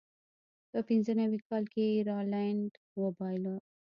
په پینځه نوي کال کې یې راینلنډ وبایله.